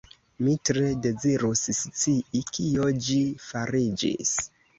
Mi tre dezirus scii, kio ĝi fariĝis.